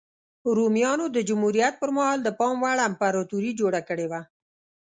رومیانو د جمهوریت پرمهال د پام وړ امپراتوري جوړه کړې وه